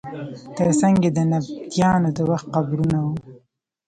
تر څنګ یې د نبطیانو د وخت قبرونه وو.